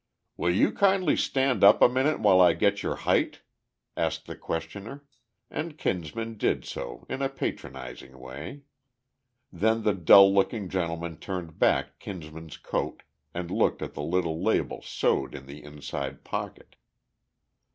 "Will you kindly stand up a minute while I get your height?" asked the questioner, and Kinsman did so in a patronizing way. Then the dull looking gentleman turned back Kinsman's coat and looked at the little label sewed in the inside pocket.